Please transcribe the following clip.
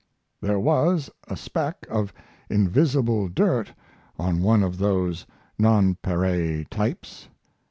There was a speck of invisible dirt on one of those nonpareil types.